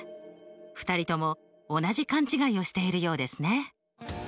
２人とも同じ勘違いをしているようですね。